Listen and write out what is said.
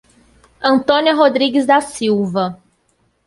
Antônia Rodrigues da Silva